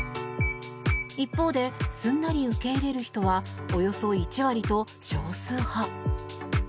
一方で、すんなり受け入れる人はおよそ１割と、少数派。